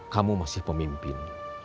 kamu masih pemimpin